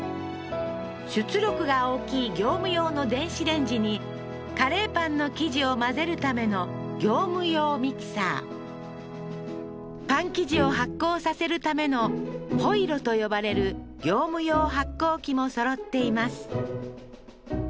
出力が大きい業務用の電子レンジにカレーパンの生地を混ぜるための業務用ミキサーパン生地を発酵させるためのホイロと呼ばれる業務用発酵器もそろっています